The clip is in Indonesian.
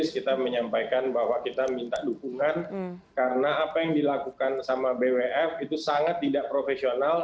kita menyampaikan bahwa kita minta dukungan karena apa yang dilakukan sama bwf itu sangat tidak profesional